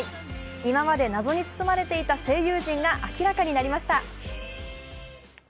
今まで謎に包まれていた声優陣が明らかになりました。